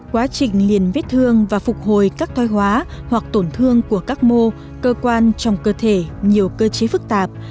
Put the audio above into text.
quá trình liền vết thương và phục hồi các thoai hóa hoặc tổn thương của các mô cơ quan trong cơ thể nhiều cơ chế phức tạp